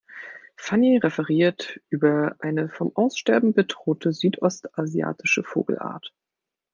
Fanny referiert über eine vom Aussterben bedrohte südostasiatische Vogelart.